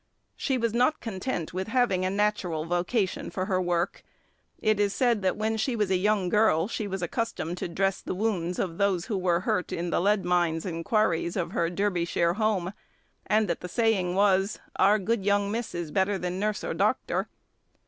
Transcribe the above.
She was not content with having a natural vocation for her work. It is said that when she was a young girl she was accustomed to dress the wounds of those who were hurt in the lead mines and quarries of her Derbyshire home, and that the saying was, "Our good young miss is better than nurse or doctor."